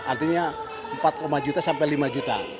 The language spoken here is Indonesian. artinya empat lima juta